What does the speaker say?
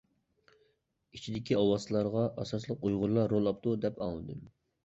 ئىچىدىكى ئالۋاستىلارغا ئاساسلىق ئۇيغۇرلار رول ئاپتۇ دەپ ئاڭلىدىم.